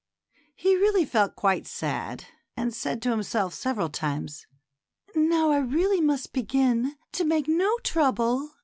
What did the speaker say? He really felt cpiite sad, and said to himself several times, "Now I really must begin "' To make no troiible.